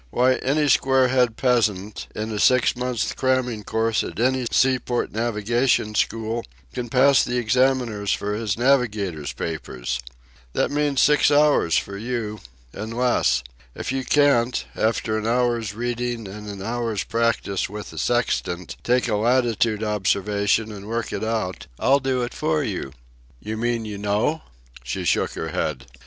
Why, any squarehead peasant, in a six months' cramming course at any seaport navigation school, can pass the examiners for his navigator's papers. That means six hours for you. And less. If you can't, after an hour's reading and an hour's practice with the sextant, take a latitude observation and work it out, I'll do it for you." "You mean you know?" She shook her head.